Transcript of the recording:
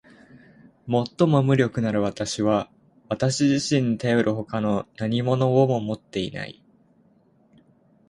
最も無力なる私は私自身にたよる外の何物をも持っていない。